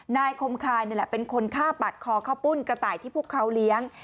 นายคมคายนี่แหละเป็นคนฆ่าปัดคอข้าวปุ้นกระต่ายที่พวกเขาเลี้ยง